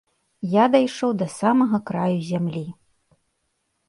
Я дайшоў да самага краю зямлі.